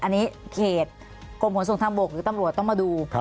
อันนี้เขตกรมขนส่งทางบกหรือตำรวจต้องมาดู